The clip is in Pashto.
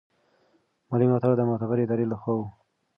مالي ملاتړ د معتبرې ادارې له خوا و.